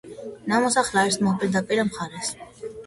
ნამოსახლარის მოპირდაპირე მხარეს.